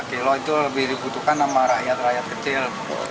tiga kg itu lebih dibutuhkan sama rakyat rakyat kecil